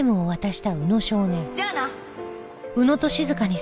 じゃあな。